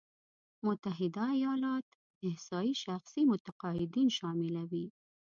متحده ایالات احصایې شخصي مقاعدين شاملوي.